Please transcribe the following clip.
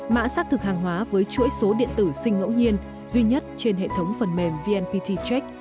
mã xác thực hàng hóa với chuỗi số điện tử sinh ngẫu nhiên duy nhất trên hệ thống phần mềm vnpt check